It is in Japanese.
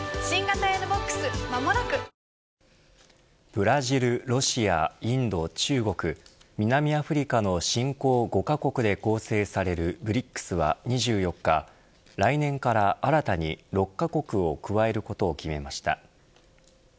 ブラジル、ロシアインド、中国南アフリカの新興５カ国で構成されるＢＲＩＣＳは２４日来年から新たに６カ国を加えることを決めました。